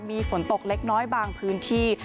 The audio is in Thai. มีฝนตกเล็กน้อยบางพื้นที่